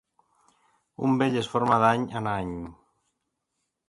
Un vell es forma d'any en any.